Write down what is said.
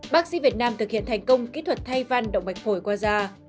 bác sĩ việt nam thực hiện thành công kỹ thuật thay văn động mạch phổi qua da